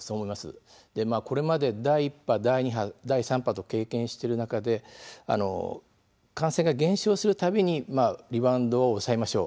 これまで、第１波、第２波第３波と経験している中で感染が減少するたびにリバウンドを抑えましょう。